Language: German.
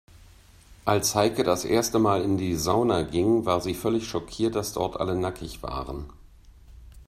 Als Heike das erste Mal in die Sauna ging, war sie völlig schockiert, dass dort alle nackig waren.